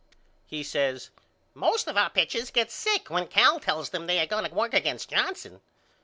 He says Most of our pitchers get sick when Cal tells them they are going to work against Johnson.